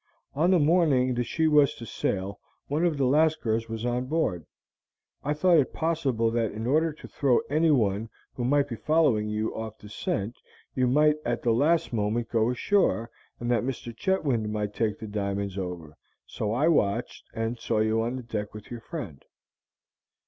On the morning that she was to sail one of the Lascars was on board; I thought it possible that in order to throw anyone who might be following you off your scent you might at the last moment go ashore, and that Mr. Chetwynd might take the diamonds over, so I watched, and saw you on the deck with your friend.